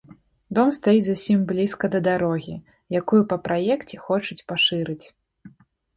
Дом стаіць зусім блізка да дарогі, якую па праекце хочуць пашырыць.